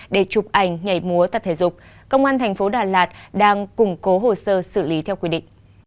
để chụp ảnh nhảy múa tập thể dục công an thành phố đà lạt đang củng cố hồ sơ xử lý theo quy định